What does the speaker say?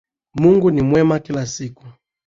Mungu ni mwema kila siku